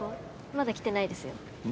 まだ来てないですよ。